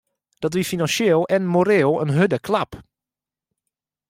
Dat wie finansjeel en moreel in hurde klap.